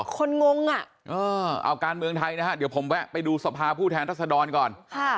งงอ่ะเอาการเมืองไทยนะฮะเดี๋ยวผมแวะไปดูสภาผู้แทนรัศดรก่อน